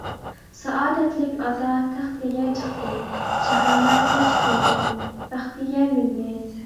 سائادەتلىك ئاتا تەختىگە چىقتى، شاھانە تاج كىيدى، بەختىگە مىندى.